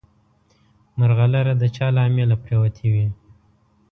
مرغلره د چا له امیله پرېوتې وي.